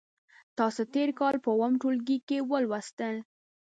تاسې تېر کال په اووم ټولګي کې ولوستل.